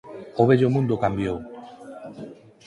O vello mundo cambiou.